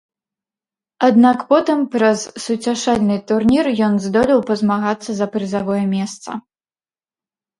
Аднак потым праз суцяшальны турнір ён здолеў пазмагацца за прызавое месца.